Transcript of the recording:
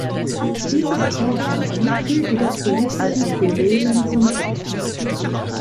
Dieses Vorhaben fiel jedoch politischen Querelen zum Opfer.